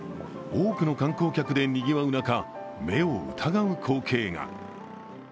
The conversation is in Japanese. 多くの観光客でにぎわう中、目を疑う光景が。